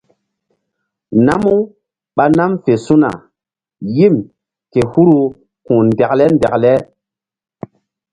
Namu ɓa nam fe su̧na yim ke huru ku̧h ndekle ndekle.